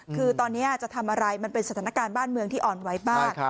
คือตอนนี้จะทำอะไรมันเป็นสถานการณ์บ้านเมืองที่อ่อนไหวมาก